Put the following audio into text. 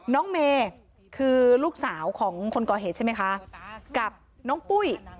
น้องเมย์คือลูกสาวของคนก่อเหตุใช่ไหมคะกับน้องปุ้ย